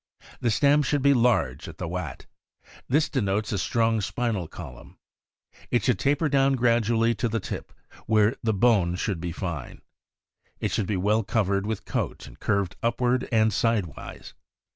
The stem should be large at the wat. This denotes a strong spinal column. It should taper down gradually to the tip, where the bone should be fine. It should be well covered with coat, and curved upward and sidewise.